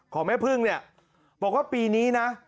แม่พึ่งเนี่ยบอกว่าปีนี้นะ